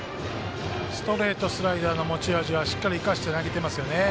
ストレートスライダーの持ち味はしっかり生かして投げてますよね。